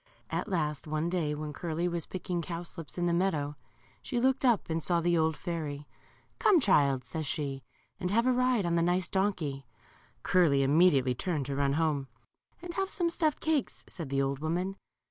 At last one day, when Curly was picking cow slips in the meadow, she looked up and saw the old fairy. Come, child," says she, and have a ride on the nice donkey." Curly immediately turned to run home. And have some stuffed cakes," said the old woman.